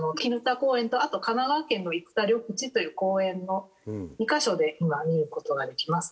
砧公園とあと神奈川県の生田緑地という公園の２カ所で今見る事ができます。